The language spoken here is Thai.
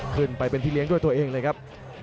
ขึ้นไปเป็นพี่เลี้ยงด้วยตัวเองเลยครับ